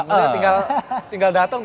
udah tinggal dateng